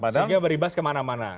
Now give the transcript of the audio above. sehingga beribas kemana mana